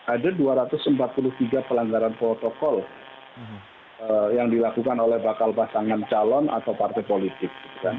ada dua ratus empat puluh tiga pelanggaran protokol yang dilakukan oleh bakal pasangan calon atau partai politik